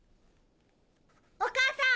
・お母さん